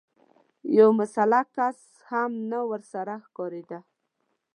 يو مسلح کس هم نه ورسره ښکارېده.